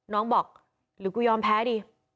น้องบอกหรือกูยอมแพ้ดี่